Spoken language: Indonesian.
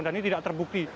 dan ini tidak terbukti